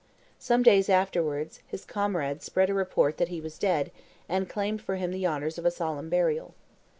Some days afterwards, his comrades spread a report that he was dead, and claimed for him the honors of a solemn burial.